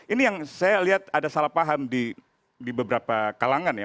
ini yang saya lihat ada salah paham di beberapa kalangan ya